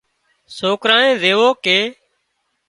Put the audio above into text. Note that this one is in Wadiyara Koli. سوڪرانئي زويُون ڪي